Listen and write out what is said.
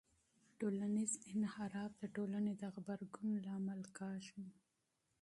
ټولنیز انحراف د ټولنې د غبرګون لامل کېږي.